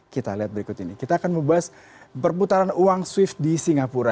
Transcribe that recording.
kita lihat berikut ini kita akan membahas perputaran uang swift di singapura